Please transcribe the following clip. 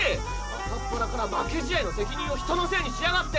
朝っぱらから負け試合の責任を人のせいにしやがって！